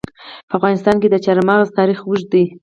په افغانستان کې د چار مغز تاریخ اوږد دی.